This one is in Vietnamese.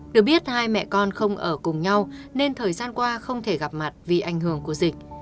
được biết hai mẹ con không ở cùng nhau nên thời gian qua không thể gặp mặt vì ảnh hưởng của dịch